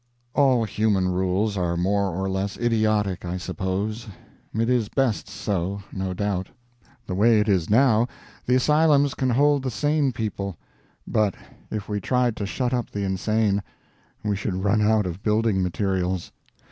All human rules are more or less idiotic, I suppose. It is best so, no doubt. The way it is now, the asylums can hold the sane people, but if we tried to shut up the insane we should run out of building materials.